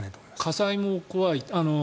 火災も怖い。